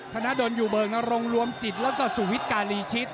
คณะโดนอยู่เบิร์งนะรงรวมจิตแล้วก็สู่วิทกาลีชิต